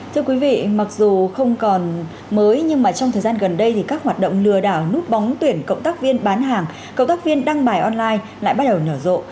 thưa quý vị mặc dù không còn mới nhưng mà trong thời gian gần đây thì các hoạt động lừa đảo núp bóng tuyển cộng tác viên bán hàng cộng tác viên đăng bài online lại bắt đầu nở rộ